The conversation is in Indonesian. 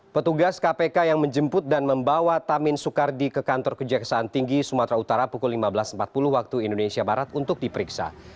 petugas kpk yang menjemput dan membawa tamin soekardi ke kantor kejaksaan tinggi sumatera utara pukul lima belas empat puluh waktu indonesia barat untuk diperiksa